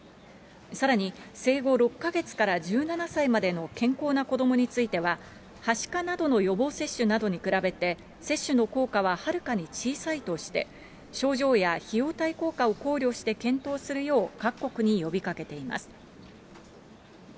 さらに、生後６か月から１７歳までの健康な子どもについては、はしかなどの予防接種などに比べて、接種の効果ははるかに小さいとして、症状や費用対効果を考慮して検討するよう各国に呼びかけています。